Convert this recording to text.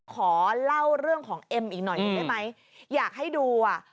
ขอเล่าเรื่องของเอ็มอีกหน่อยหนึ่งได้ไหมอยากให้ดูอ่ะ